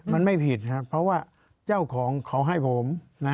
มันไม่ผิดครับเพราะว่าเจ้าของเขาให้ผมนะ